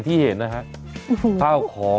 จัดกระบวนพร้อมกัน